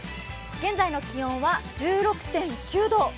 現在の気温は１６．９度。